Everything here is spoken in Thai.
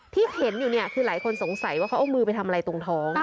ที่เห็นอยู่เนี่ยคือหลายคนสงสัยว่าเขาเอามือไปทำอะไรตรงท้อง